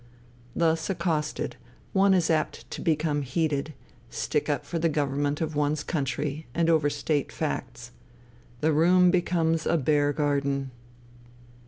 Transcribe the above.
Thus accosted, one is apt to become heated, stick up for the Government of one's country, and overstate facts. The room becomes a bear garden.